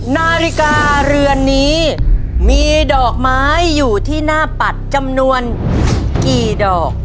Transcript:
นาฬิกาเรือนนี้มีดอกไม้อยู่ที่หน้าปัดจำนวนกี่ดอก